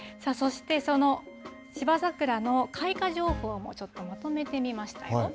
そして、その芝桜の開花情報もちょっとまとめてみましたよ。